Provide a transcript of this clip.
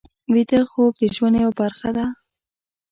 ویده خوب د ژوند یوه برخه ده